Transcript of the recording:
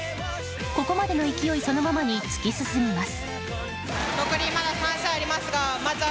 ここまでの勢いそのままに突き進みます。